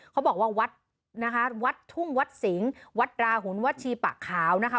เขาบอกว่าวัดนะคะวัดทุ่งวัดสิงห์วัดราหุนวัดชีปะขาวนะคะ